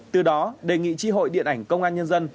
từ đó đề nghị tri hội điện ảnh công an nhân dân